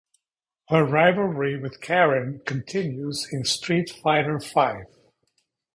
Her rivalry with Karin continues in "Street Fighter V".